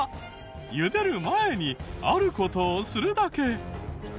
茹でる前にある事をするだけ。